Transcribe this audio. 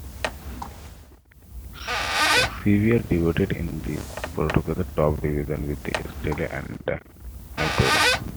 Xavier debuted in the Portuguese top division with Estrela da Amadora.